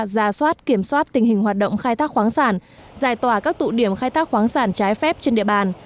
giả soát kiểm soát tình hình hoạt động khai thác khoáng sản giải tỏa các tụ điểm khai thác khoáng sản trái phép trên địa bàn